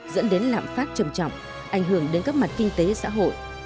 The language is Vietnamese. dẫn đến lạm phát trầm trọng ảnh hưởng đến các mặt kinh tế xã hội